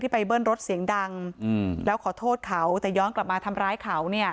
ไปเบิ้ลรถเสียงดังแล้วขอโทษเขาแต่ย้อนกลับมาทำร้ายเขาเนี่ย